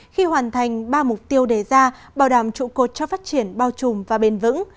khi hoàn thành ba mục tiêu đề ra bảo đảm trụ cột cho phát triển bao trùm và bền vững